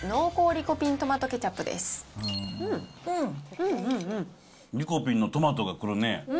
リコピンのトマトが来るね。